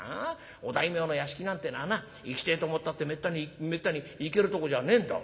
お大名の屋敷なんてえのはな行きてえと思ったってめったに行けるとこじゃねえんだ。